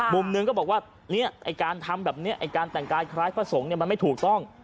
มุมหนึ่งก็บอกว่าเนี่ยไอ้การทำแบบนี้ไอ้การแต่งกายคล้ายพระสงฆ์เนี่ยมันไม่ถูกต้อง